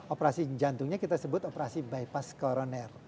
operasi jantungnya kita sebut operasi bypass koroner